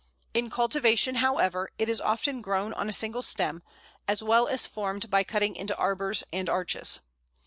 In cultivation, however, it is often grown on a single stem, as well as formed by cutting into arbours and arches.